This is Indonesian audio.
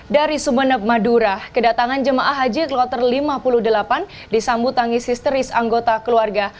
dari sumeneb madura kedatangan jemaah haji kloter lima puluh delapan disambut tangis histeris anggota keluarga